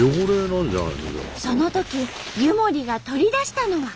そのとき湯守が取り出したのは。